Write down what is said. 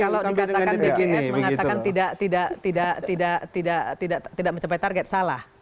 kalau dikatakan bpns mengatakan tidak mencapai target salah